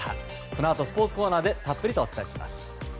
このあとスポーツコーナーでたっぷりとお伝えします。